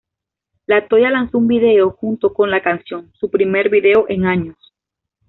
La Toya lanzó un video junto con la canción, su primer video en años.